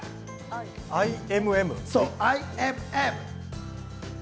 ＩＭＭ？